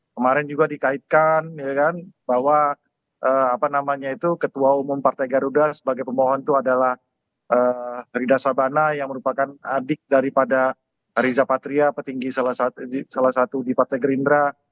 kemarin juga dikaitkan bahwa ketua umum partai garuda sebagai pemohon itu adalah rida sabana yang merupakan adik daripada riza patria petinggi salah satu di partai gerindra